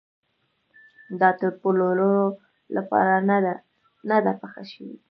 دا د پلورلو لپاره نه ده پخه شوې.